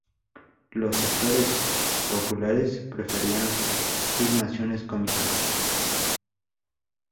Los sectores populares preferían filmaciones cómicas.